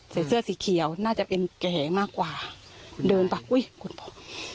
เสื้อสีเขียวน่าจะเป็นแก่มากกว่าเดินไปอุ้ยคุณพ่อ